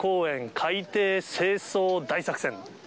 海底清掃大作戦。